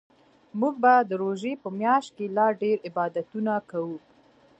موږ به د روژې په میاشت کې لا ډیرعبادتونه کوو